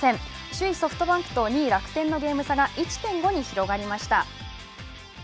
首位ソフトバンクと２位、楽天のゲーム差が１．５に広がりました。